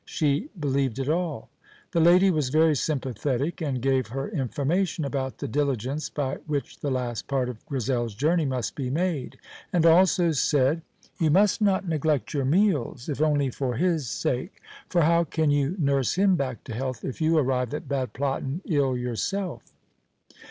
She believed it all. The lady was very sympathetic, and gave her information about the diligence by which the last part of Grizel's journey must be made, and also said: "You must not neglect your meals, if only for his sake; for how can you nurse him back to health if you arrive at Bad Platten ill yourself?